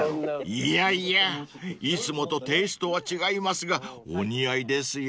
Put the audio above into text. ［いやいやいつもとテイストは違いますがお似合いですよ］